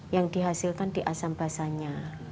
yang dihasilkan di asam basahnya